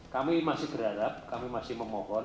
kami masih berharap kami masih memohon